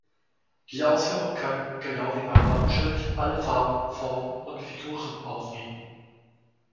Die Ausführung kann, genau wie beim Wappenschild, alle Farben, Formen und Figuren aufnehmen.